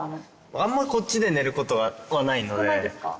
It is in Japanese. あんまりこっちで寝ることはないので。